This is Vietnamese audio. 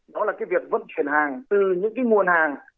đó là việc vận chuyển hàng từ những nguồn hàng